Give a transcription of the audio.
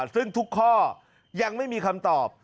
ซึ่งทุกข้อยังไม่มีคำตอบ